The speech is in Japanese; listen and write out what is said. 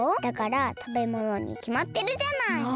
だからたべものにきまってるじゃない！